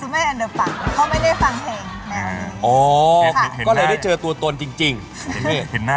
ไม่ค่อยรู้จักพี่ปังแน่